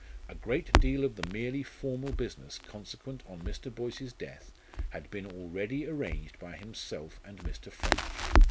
A great deal of the merely formal business consequent on Mr. Boyce's death had been already arranged by himself and Mr. French.